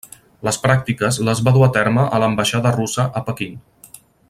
Les pràctiques les va dur a terme a l'ambaixada russa a Pequín.